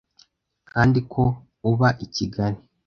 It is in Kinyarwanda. kandi ko uba i kigali